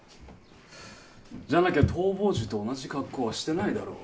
じゃなきゃ逃亡時と同じ格好はしてないだろう。